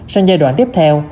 sau giai đoạn tiếp theo